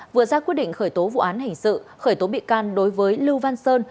vừa ra quyết định khởi tố vụ án hình sự khởi tố bị can đối với lưu văn sơn